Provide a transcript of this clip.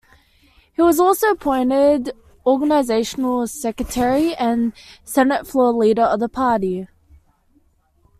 He was also appointed organisational secretary and Senate floor leader of the party.